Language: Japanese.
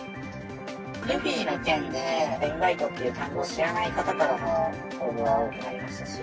ルフィの件で、闇バイトって単語を知らない方からの応募が多くなりましたし。